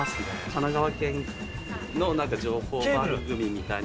神奈川県の情報番組みたいな。